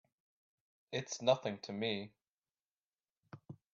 Itâs nothing to me.